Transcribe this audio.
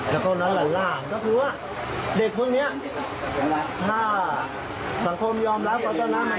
เราก็รวมเงินตัวนี้